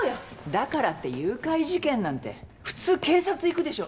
だからって誘拐事件なんて普通警察行くでしょ。